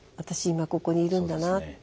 今ここにいるんだなって。